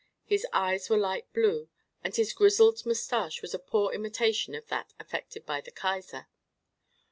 His eyes were light blue and his grizzled mustache was a poor imitation of that affected by the Kaiser.